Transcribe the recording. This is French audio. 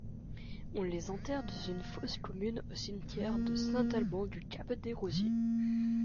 On les enterre dans une fosse commune au cimetière de Saint-Alban-du-Cap-des-Rosiers.